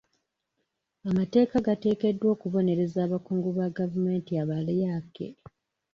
Amateeka gateekeddwa okubonereza abakungu ba gavumenti abalyake.